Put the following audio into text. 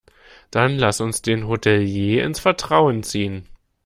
Dann lass uns den Hotelier ins Vertrauen ziehen.